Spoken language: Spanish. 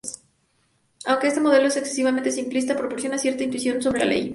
Aunque este modelo es excesivamente simplista, proporciona cierta intuición sobre la ley.